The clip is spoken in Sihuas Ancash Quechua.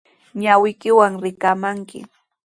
Ñawiykiwan rikaamanki